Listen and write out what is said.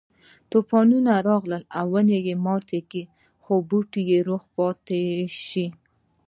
طوفان راغی او ونه یې ماته کړه خو بوټی روغ پاتې شو.